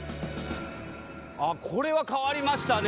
これは変わりましたね。